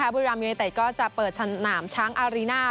บุรีรามยนต์ไอ้แตดก็จะเปิดสนามช้างอารีน่า